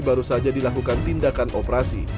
baru saja dilakukan tindakan operasi